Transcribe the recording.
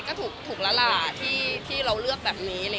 ก็ถูกแล้วล่ะที่เราเลือกแบบนี้